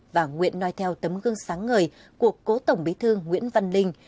và nguyện nói theo tấm gương sáng ngời của cố tổng bí thư nguyễn văn linh